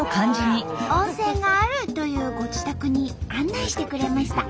温泉があるというご自宅に案内してくれました。